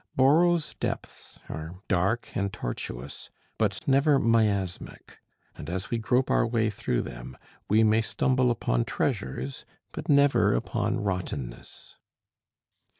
Borrow's depths are dark and tortuous, but never miasmic; and as we grope our way through them, we may stumble upon treasures, but never upon rottenness.